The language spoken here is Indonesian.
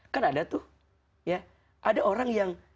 kan ada tuh ya ada orang yang